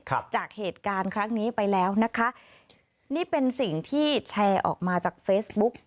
ครับจากเหตุการณ์ครั้งนี้ไปแล้วนะคะนี่เป็นสิ่งที่แชร์ออกมาจากเฟซบุ๊ก